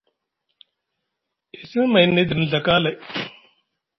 E simi mayni nʼe diri nɵa kaalay.